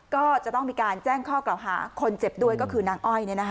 ก็จะต้องมีการแจ้งข้อกล่าวหาคนเจ็บด้วยก็คือนางอ้อย